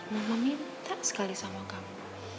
mama minta sekali sama kamu